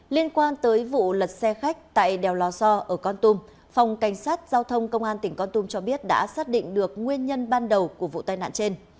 liên quan tới vụ lật xe khách tại đèo lò so ở con tum phòng cảnh sát giao thông công an tỉnh con tum cho biết đã xác định được nguyên nhân ban đầu của vụ tai nạn trên